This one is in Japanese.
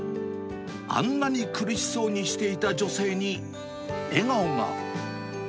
あんなに苦しそうにしていた女性に笑顔が。